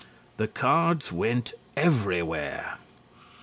The cards went everywhere.